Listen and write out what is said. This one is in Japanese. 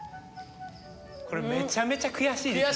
これめちゃめちゃ悔しいですね